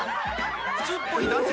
［普通っぽい男性